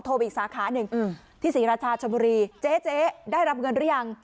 โทรไปอีกสาขาหนึ่งอือที่ศรีราชาชมรีหรืออย่าง